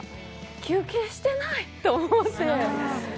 休憩してないと思って。